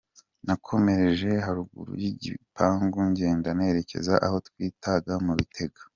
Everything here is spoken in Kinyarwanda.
Nakomereje haruguru y’igipangu ngenda nerekeza aho twitaga mu Bitega.